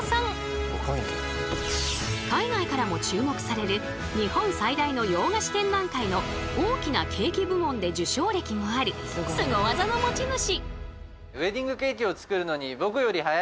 海外からも注目される日本最大の洋菓子展覧会の「大きなケーキ」部門で受賞歴もあるスゴ技の持ち主。